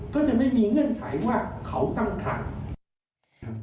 ก็จะมีเงื่อนไขว่าเขาตั้งคัน